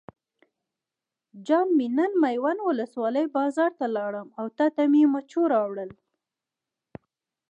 جان مې نن میوند ولسوالۍ بازار ته لاړم او تاته مې مچو راوړل.